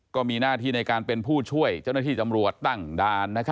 ก็มีหน้าที่ในการเป็นผู้ช่วยเจ้าหน้าที่ตำรวจตั้งด่าน